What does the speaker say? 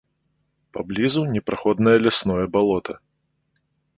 Паблізу непраходнае лясное балота.